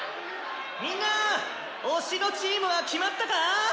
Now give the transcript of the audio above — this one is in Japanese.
「みんな推しのチームは決まったか？